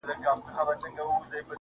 د چا غمو ته به ځواب نه وايو.